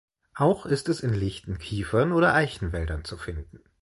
Auch ist es in lichten Kiefern- oder Eichenwäldern zu finden.